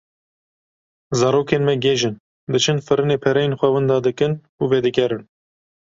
Zarokên me gêj in; diçin firinê pereyên xwe wenda dikin û vedigerin.